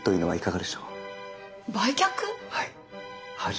はい。